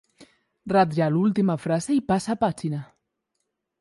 Ratlla l'última frase i passa pàgina.